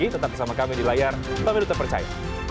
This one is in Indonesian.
tetap bersama kami di layar pemilu terpercaya